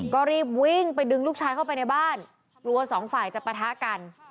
ก็รีบวิ่งไปดึงลูกชายเข้าไปในบ้านกลัวสองฝ่ายจะปะทะกัน